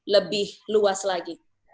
lebih luas lagi